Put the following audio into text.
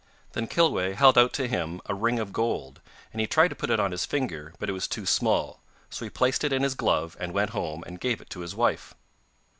Then Kilweh held out to him a ring of gold, and he tried to put it on his finger, but it was too small, so he placed it in his glove, and went home and gave it to his wife.